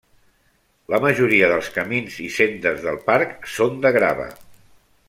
La majoria dels camins i sendes del parc són de grava.